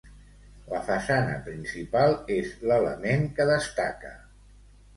La façana principal és l'element que destaca.